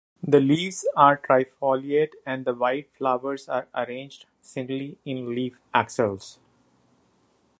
The leaves are trifoliate and the white flowers are arranged singly in leaf axils.